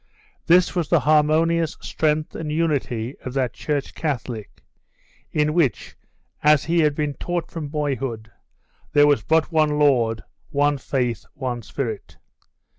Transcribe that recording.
This was the harmonious strength and unity of that Church Catholic, in which, as he had been taught from boyhood, there was but one Lord, one Faith, one Spirit.